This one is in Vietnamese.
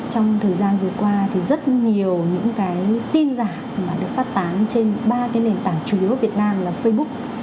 trong thời gian vừa qua rất nhiều tin giả được phát tán trên ba nền tảng chủ yếu việt nam là facebook